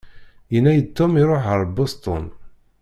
Yenna-yi-d Tom iṛuḥ ar Boston.